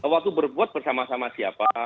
waktu berbuat bersama sama siapa